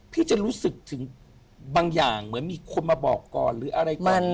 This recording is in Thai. พี่จะรู้สึกถึงบางอย่างเหมือนมีคนมาบอกก่อนหรืออะไรก่อน